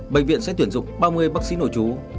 bệnh viện sẽ tuyển dụng ba mươi bác sĩ nội chú